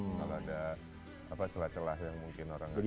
kalau ada apa celah celah yang mungkin orang nonton